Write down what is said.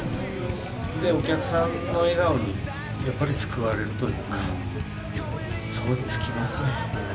お客さんの笑顔にやっぱり救われるというか、そこに尽きますね。